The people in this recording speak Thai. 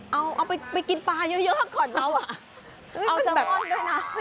เอาเอาไปไปกินปลาเยอะเยอะก่อนเมื่อว่ะเอาแซมอนด้วยน่ะฮะ